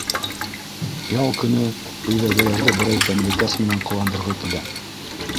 Ял көнө өйҙәгеләрҙе берәй тәмлекәс менән ҡыуандырғы килә.